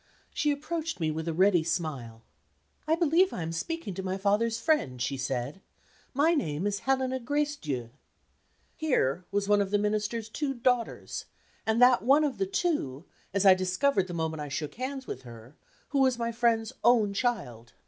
She approached me with a ready smile. "I believe I am speaking to my father's friend," she said; "my name is Helena Gracedieu." Here was one of the Minister's two "daughters"; and that one of the two as I discovered the moment I shook hands with her who was my friend's own child.